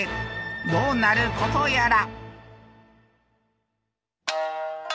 どうなることやら。